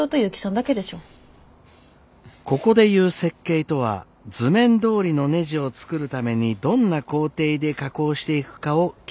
ここでいう設計とは図面どおりのねじを作るためにどんな工程で加工していくかを決めることです。